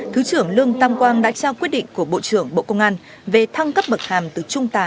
thứ trưởng lương tam quang đã trao quyết định của bộ trưởng bộ công an về thăng cấp bậc hàm từ trung tá